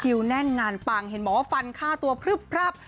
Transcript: คิวแน่นงานปังเห็นหมอฟันฆ่าตัวพรึบพรับ